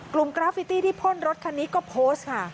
กราฟิตี้ที่พ่นรถคันนี้ก็โพสต์ค่ะ